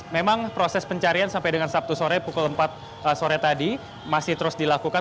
memang proses pencarian sampai dengan sabtu sore pukul empat sore tadi masih terus dilakukan